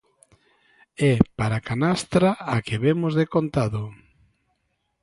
E para canastra a que vemos decontado.